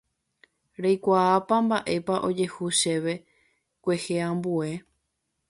Reikuaápa mba'épa ojehu chéve kueheambue.